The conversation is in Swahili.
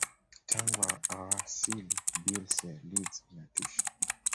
tangu awasili bielsa leeds inatisha